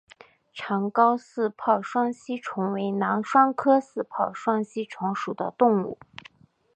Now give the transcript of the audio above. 长睾似泡双吸虫为囊双科似泡双吸虫属的动物。